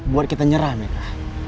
buat kita nyerah mereka